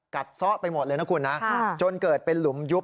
ซ่อไปหมดเลยนะคุณนะจนเกิดเป็นหลุมยุบ